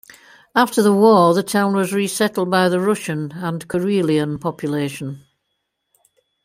After the war, the town was resettled by the Russian and Karelian population.